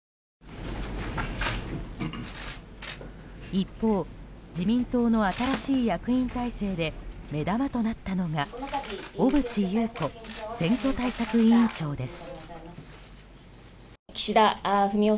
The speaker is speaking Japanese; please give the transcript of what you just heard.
一方、自民党の新しい役員体制で目玉となったのが小渕優子選挙対策委員長です。